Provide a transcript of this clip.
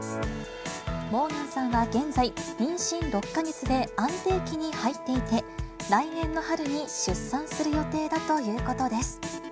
モーガンさんは現在、妊娠６か月で安定期に入っていて、来年の春に出産する予定だということです。